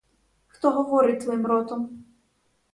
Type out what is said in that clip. Хто говорить твоїм ротом?